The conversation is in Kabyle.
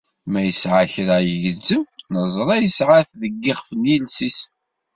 Ma isɛa kra igezzem, neẓra isɛa-t deg yixef n yiles-is.